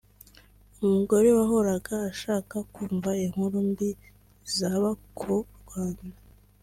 umugore wahoraga ashaka kumva inkuru mbi zaba ku Rwanda